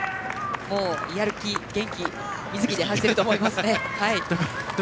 やる気、元気、瑞生で走っていると思います。